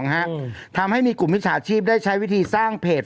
ทำให้มีกลุ่มมิจฉาชีพได้ใช้วิธีสร้างเพจ